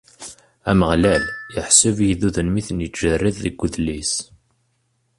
Ameɣlal iḥseb igduden mi ten-ittjerrid deg udlis.